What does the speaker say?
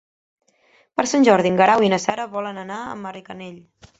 Per Sant Jordi en Guerau i na Sara volen anar a Marganell.